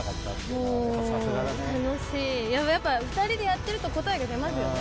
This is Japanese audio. もう楽しいでもやっぱ２人でやってると答えが出ますよね